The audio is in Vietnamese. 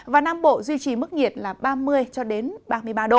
và nam bộ duy trì mức nhiệt là ba mươi cho đến ba mươi ba độ